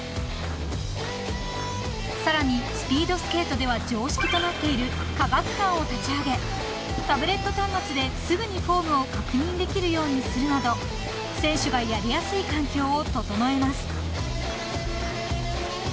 ［さらにスピードスケートでは常識となっている科学班を立ち上げタブレット端末ですぐにフォームを確認できるようにするなど選手がやりやすい環境を整えます］